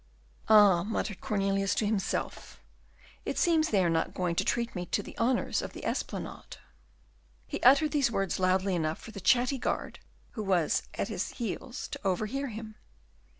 "Ah!" muttered Cornelius to himself, "it seems they are not going to treat me to the honours of the Esplanade." He uttered these words loud enough for the chatty guard, who was at his heels, to overhear him.